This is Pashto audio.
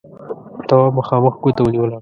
تواب مخامخ ګوته ونيوله: